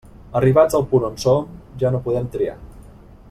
Arribats al punt on som, ja no podem triar.